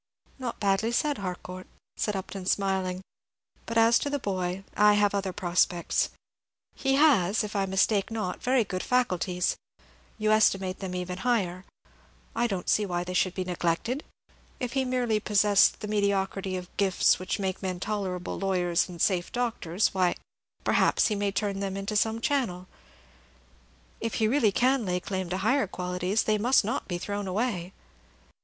"Not badly said, Harcourt," said Upton, smiling; "but as to the boy, I have other prospects. He has, if I mistake not, very good faculties. You estimate them even higher. I don't see why they should be neglected. If he merely possess the mediocrity of gifts which make men tolerable lawyers and safe doctors, why, perhaps, he may turn them into some channel. If he really can lay claim to higher qualities, they must not be thrown away."